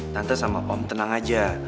tante sama om tenang aja